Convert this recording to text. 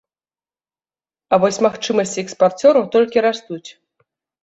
А вось магчымасці экспарцёраў толькі растуць.